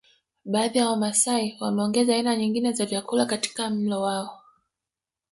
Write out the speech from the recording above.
Baadhi ya wamasai wameongeza aina nyingine za vyakula katika mlo wao